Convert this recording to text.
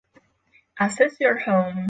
Assess Your Home